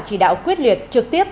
chỉ đạo quyết liệt trực tiếp